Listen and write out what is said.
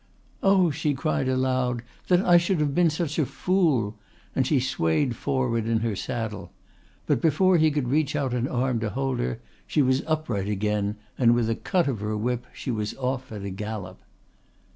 "Oh," she cried aloud, "that I should have been such a fool!" and she swayed forward in her saddle. But before he could reach out an arm to hold her she was upright again, and with a cut of her whip she was off at a gallop.